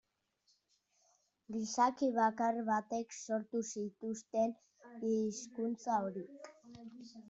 Gizaki bakar batek sortu zituzten hizkuntza horiek.